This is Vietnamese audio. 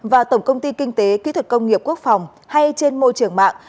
và tổng công ty kinh tế kỹ thuật công nghiệp quốc phòng hay trên môi trường mạng